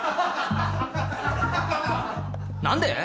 何で？